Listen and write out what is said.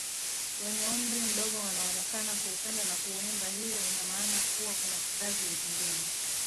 wenye umri mdogo wanaonekana kuupenda na kuuimba Hiyo ina maana kuwa kuna kizazi kingine